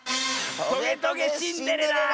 「トゲトゲ・シンデレラ」！